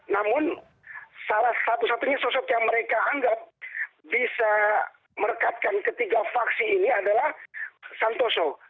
namun salah satu satunya sosok yang mereka anggap bisa merekatkan ketiga faksi ini adalah santoso